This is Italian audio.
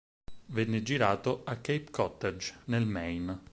Venne girato a Cape Cottage, nel Maine.